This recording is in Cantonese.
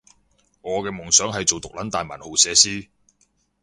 我嘅夢想係做毒撚大文豪寫詩